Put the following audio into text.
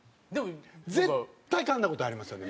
絶対かんだ事ありますよね？